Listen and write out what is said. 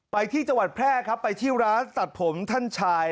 ไปที่จังหวัดแพร่ครับไปที่ร้านตัดผมท่านชาย